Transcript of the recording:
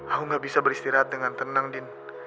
aku gak bisa beristirahat dengan tenang din